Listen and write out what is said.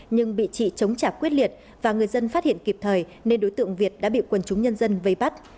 nhưng bị chị chống trả quyết liệt và người dân phát hiện kịp thời nên đối tượng việt đã bị quần chúng nhân dân vây bắt